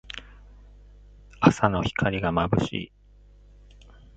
朝の光がまぶしい。